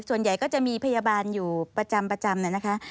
ส่วนใหญ่ก็จะมีพยาบาลอยู่ประจำ